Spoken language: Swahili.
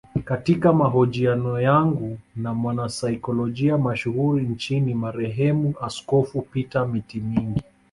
Katika mahojiano yangu na mwanasaikolojia mashuhuri nchini marehemu askofu Peter Mitimingi